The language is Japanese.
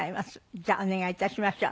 じゃあお願い致しましょう。